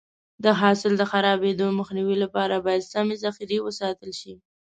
د حاصل د خرابېدو مخنیوي لپاره باید سمې ذخیره وساتل شي.